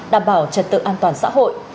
đảm bảo trật tự an toàn xã hội